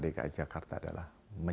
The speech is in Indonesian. dki jakarta adalah